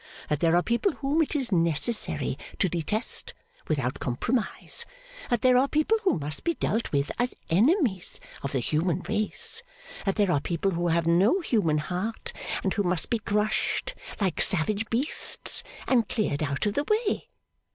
That there are people whom it is necessary to detest without compromise. That there are people who must be dealt with as enemies of the human race. That there are people who have no human heart, and who must be crushed like savage beasts and cleared out of the way.